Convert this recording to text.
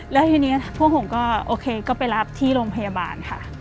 แล้วทีนี้พวกผมก็โอเคก็ไปรับที่โรงพยาบาลค่ะ